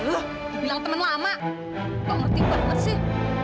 dibilang temen lama enggak ngerti banget sih